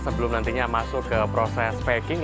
sebelum nantinya masuk ke proses packing